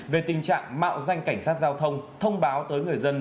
về tình trạng mạo danh cảnh sát giao thông thông báo tới người dân